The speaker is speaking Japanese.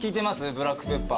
ブラックペッパー。